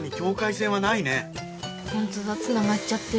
ホントだつながっちゃってる。